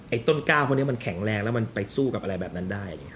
ต้นก้าวพวกนี้มันแข็งแรงแล้วมันไปสู้กับอะไรแบบนั้นได้